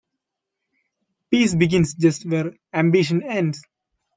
Peace begins just where ambition ends.